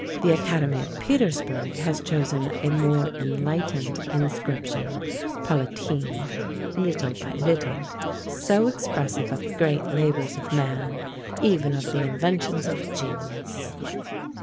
The Academy of Petersburgh has chosen a more enlightened inscription, Paulatim ("little by little"), so expressive of the great labours of man even of the inventions of genius!